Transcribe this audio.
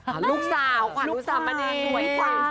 อ่าวลูกสาวฮวานดุสามะนีลูกสาวหน่วยบ้าง